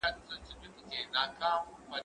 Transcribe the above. زه بايد خواړه ورکړم؟